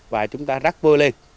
và chúng ta rác vôi lên